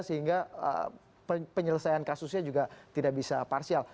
sehingga penyelesaian kasusnya juga tidak bisa parsial